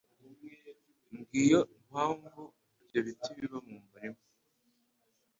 Ng’iyo mpamvu ibyo biti biba mu murima